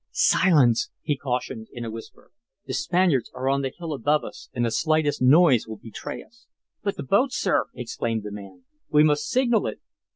"Silence!" he cautioned, in a whisper. "The Spaniards are on the hill above us and the slightest noise will betray us." "But the boat, sir!" exclaimed the man. "We must signal it."